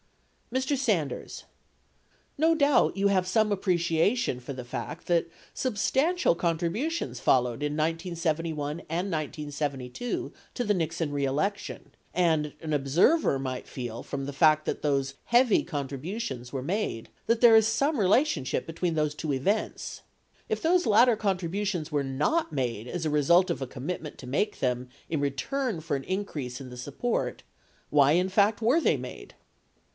Mr. Sanders. No doubt you have some appreciation for the fact that substantial contributions followed in 1971 and 1972 to the Nixon reelection, and an observer might feel from the fact that those heavy contributions were made that there is some relationship between those two events. If those latter contributions were not made as a result of a commitment to make them in return for an increase in the sup port, why in fact were they made